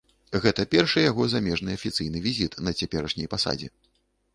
Гэты першы яго замежны афіцыйны візіт на цяперашняй пасадзе.